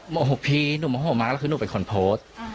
โมโหพี่หนูโมโหมากแล้วคือหนูเป็นคนโพสต์